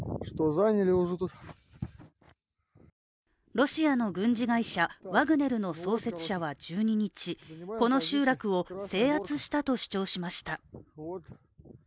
ロシアの軍事会社ワグネルの創設者は１２日、この集落を制圧したと主張しました。